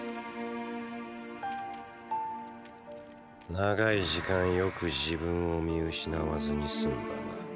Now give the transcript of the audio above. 長い時間よく自分を見失わずにすんだな。